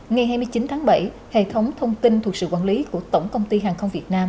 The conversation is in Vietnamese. ngày hai mươi chín tháng bảy hệ thống thông tin thuộc sự quản lý của tổng công ty hàng không việt nam